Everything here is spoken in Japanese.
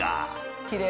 きれい！